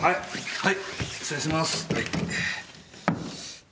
はい。